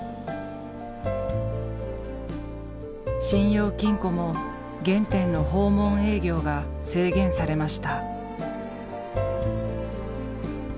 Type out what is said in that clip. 信用金庫も原点の訪問営業が制限されました。